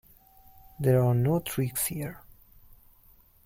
There are no tricks here.